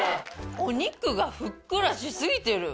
お肉がふっくらし過ぎてる！